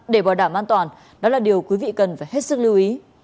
để bảo đảm an toàn đó là điều quý vị cần phải hết sức lưu ý